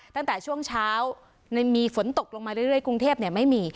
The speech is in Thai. ตั้งแต่ช่วงเช้ามีฝนตกลงมาเรื่อยกรุงเทพไม่มี